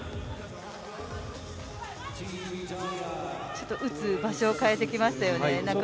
ちょっと打つ場所を変えてきましたよね。